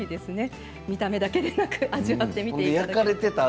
見た目だけでなく味わってもらいたいと思います。